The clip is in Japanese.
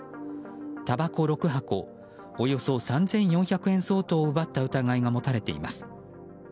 たばこ６箱およそ３４００円相当を奪った疑いが持たれています。